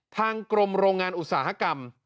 ทางกรมโรงงานอุตสาหกรรม